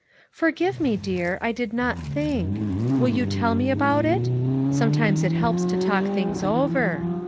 "Forgive me, dear, I did not think. Will you tell me about it? Sometimes it helps to talk things over.